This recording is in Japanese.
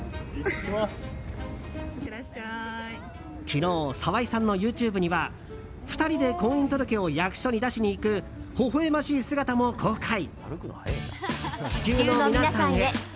昨日沢井さんのＹｏｕＴｕｂｅには２人で婚姻届を役所に出しに行くほほ笑ましい姿も公開。